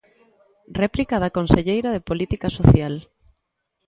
Réplica da conselleira de Política Social.